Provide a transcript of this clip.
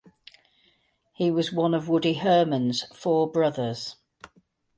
He was one of Woody Herman's "Four Brothers".